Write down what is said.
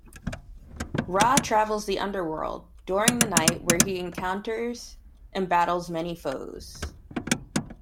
Ra travels the underworld during the night where he encounters and battles many foes.